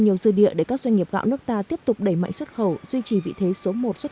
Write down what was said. nhiều dư địa để các doanh nghiệp gạo nước ta tiếp tục đẩy mạnh xuất khẩu duy trì vị thế số một xuất